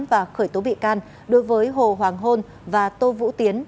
và khởi tố bị can đối với hồ hoàng hôn và tô vũ tiến